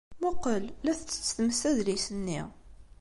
Muqel, la tettett tmes adlis-nni.